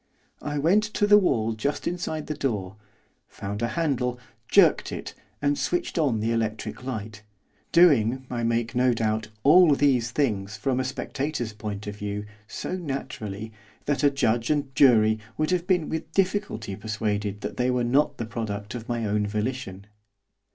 I went to the wall just inside the door, found a handle, jerked it, and switched on the electric light, doing, I make no doubt, all these things, from a spectator's point of view, so naturally, that a judge and jury would have been with difficulty persuaded that they were not the product of my own volition.